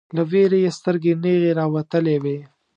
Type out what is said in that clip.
له ویرې یې سترګې نیغې راوتلې وې